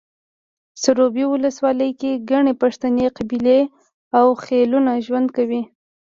سروبي ولسوالۍ کې ګڼې پښتنې قبیلې او خيلونه ژوند کوي